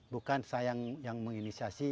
bukan saya yang menginisiasi